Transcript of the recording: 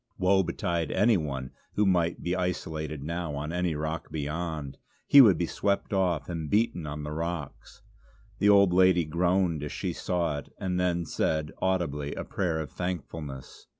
Woe betide any one who might be isolated now on any rock beyond; he would be swept off, and beaten on the rocks. The old lady groaned as she saw it, and then said audibly a prayer of thankfulness.